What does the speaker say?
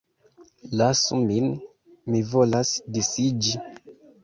Lasu min, mi volas disiĝi!